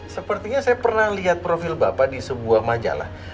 sepertinya saya pernah lihat profil bapak di sebuah majalah